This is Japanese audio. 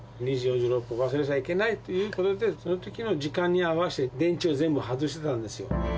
２時４６分、忘れちゃいけないということで、そのときの時間に合わせて、電池を全部外してたんですよ。